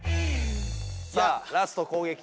さあラスト攻撃。